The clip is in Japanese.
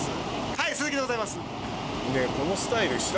はい鈴木でございます。